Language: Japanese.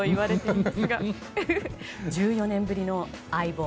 １４年ぶりの相棒